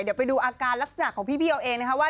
เดี๋ยวไปดูอาการลักษณะของพี่พี่เอาเองนะคะว่า